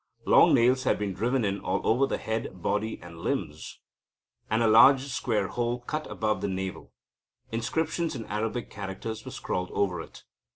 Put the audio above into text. Long nails had been driven in all over the head, body, and limbs, and a large square hole cut out above the navel. Inscriptions in Arabic characters were scrawled over it.